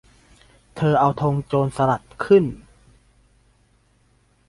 เธอเอาธงโจรสลัดขึ้น